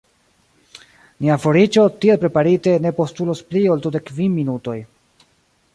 Nia foriĝo, tiel preparite, ne postulos pli ol dudek kvin minutoj.